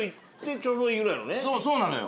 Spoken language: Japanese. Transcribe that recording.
そうなのよ。